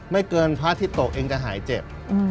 ไม่เกินว่าเทาะที่ตกจะหายเจ็บ